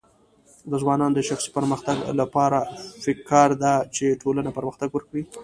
د ځوانانو د شخصي پرمختګ لپاره پکار ده چې ټولنه پرمختګ ورکړي.